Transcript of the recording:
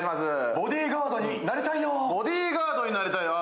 ボディーガードになりたいよぉ。